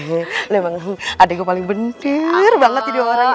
iya memang adegu paling bener banget ya diorang